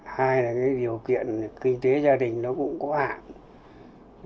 hai là cái điều kiện kinh tế gia đình nó cũng có hạn